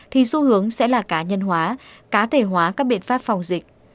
thì xu hướng sẽ là cá nhân hóa cá thể hóa các biện pháp phòng dịch